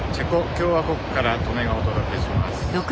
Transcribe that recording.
共和国から刀祢がお届けします。